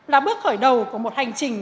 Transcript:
là bước khởi đầu của một hành trình